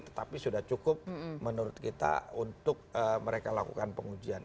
tetapi sudah cukup menurut kita untuk mereka lakukan pengujian